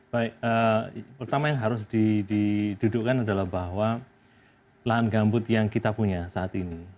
baik pertama yang harus didudukkan adalah bahwa lahan gambut yang kita punya saat ini